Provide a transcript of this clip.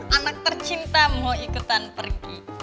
anak tercinta mau ikutan pergi